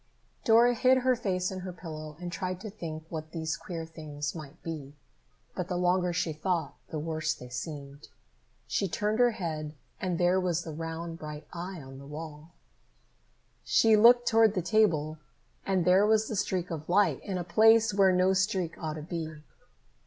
Dora hid her face in her pillow and tried to think what these queer things might be, but the longer she thought, the worse they seemed. She turned her head, and there was the round bright eye on the wall. She looked toward the table, and there was the streak of light in a place where no streak ought to be.